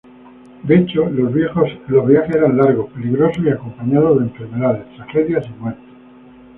De hecho, los viajes eran largos, peligrosos y acompañados de enfermedades, tragedias y muerte.